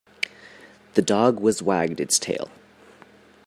The dog was wagged its tail.